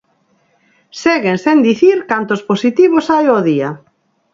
Seguen sen dicir cantos positivos hai ao día.